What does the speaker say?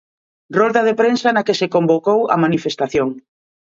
Rolda de prensa na que se convocou a manifestación.